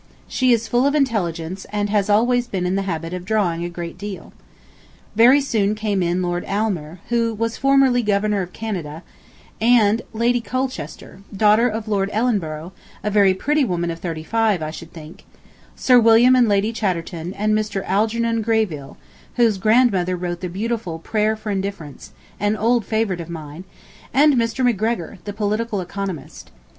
She is full of intelligence, and has always been in the habit of drawing a great deal. ... Very soon came in Lord Aylmer, [who] was formerly Governor of Canada, and Lady Colchester, daughter of Lord Ellenborough, a very pretty woman of thirty five, I should think; Sir William and Lady Chatterton and Mr. Algernon Greville, whose grandmother wrote the beautiful "Prayer for Indifference," an old favorite of mine, and Mr. MacGregor, the political economist.